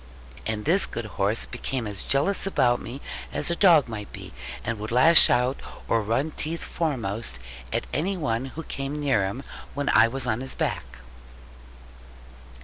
And this good horse became as jealous about me as a dog might be; and would lash out, or run teeth foremost, at any one who came near him when I was on his back.